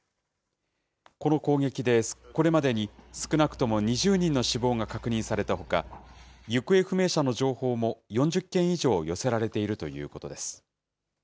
この攻撃で、これまでに少なくとも２０人の死亡が確認されたほか、行方不明者の情報も４０件以上寄せられているということです。